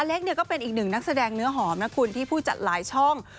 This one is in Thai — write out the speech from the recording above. เล็กเนี่ยก็เป็นอีกหนึ่งนักแสดงเนื้อหอมนะคุณที่ผู้จัดหลายช่อง